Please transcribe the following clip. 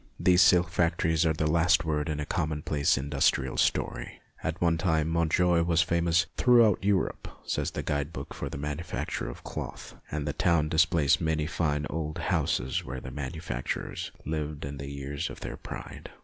These silk factories are the last word in a commonplace industrial story. At one time Montjoie was famous " throughout Europe," says the guide book for the manufacture of cloth, and the town displays many fine old houses where the manufacturers lived in the years of their pride.